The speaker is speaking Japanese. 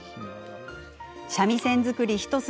三味線作り一筋